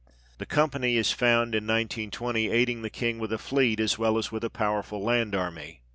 The company is found in 1920 aiding the King with a fleet as well as with a powerful land army (p.